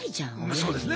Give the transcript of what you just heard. そうですね。